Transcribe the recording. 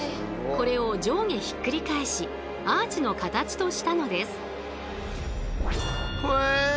これを上下ひっくり返しアーチの形としたのです。